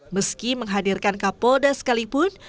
meski menghadirkan kapolda sekalipun